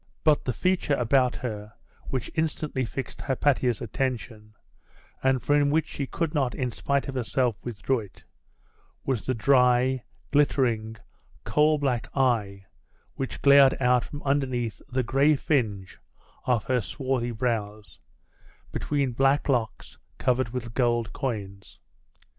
Put the feature about her which instantly fixed Hypatia's attention, and from which she could not in spite of herself withdraw it, was the dry, glittering, coal black eye which glared out from underneath the gray fringe of her swarthy brows, between black locks covered with gold coins.